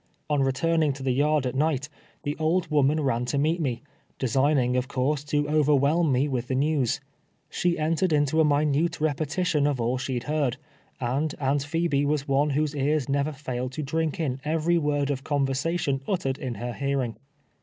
On returning to the yard at night, the old woman ran to meet me, design ing, of course, to overwhelm me with the news. She entered into a minute repetition of all she had heard, and Aunt Phebe was one whose ears never failed to drink in every word of conversation uttered in her hearing.